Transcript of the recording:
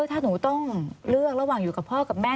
ถ้าหนูต้องเลือกระหว่างอยู่กับพ่อกับแม่